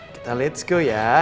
kita let's go ya